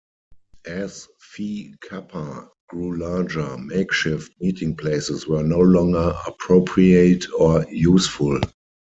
As Phi Kappa grew larger, makeshift meeting places were no longer appropriate or useful.